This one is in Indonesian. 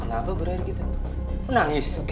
kamar temen temen kita menangis